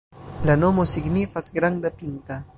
La nomo signifas granda-pinta.